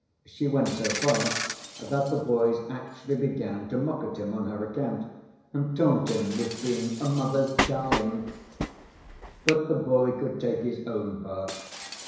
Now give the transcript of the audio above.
She went so far that the boys actually began to mock at him on her account and taunt him with being a "mother's darling." But the boy could take his own part.